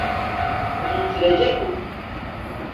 Uzun sürecek mi?